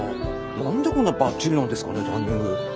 何でこんなばっちりなんですかねタイミング。